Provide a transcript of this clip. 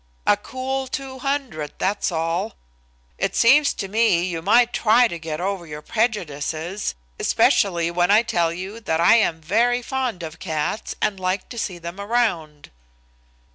A cool two hundred, that's all. It seems to me you might try to get over your prejudices, especially when I tell you that I am very fond of cats and like to see them around."